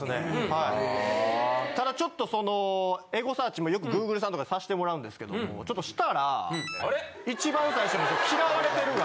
ただちょっとそのエゴサーチもよくＧｏｏｇｌｅさんとかでさしてもらうんですけどもちょっとしたら一番最初に「嫌われてる」が。